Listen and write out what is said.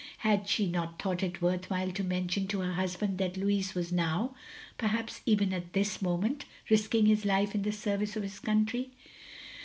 Had she not thought it worth while to mention to her husband that Louis was now — perhaps even at this moment — ^risking his life in the service of his coimtry?